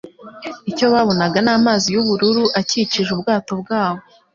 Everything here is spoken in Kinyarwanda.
Icyo babonaga ni amazi yubururu akikije ubwato bwabo.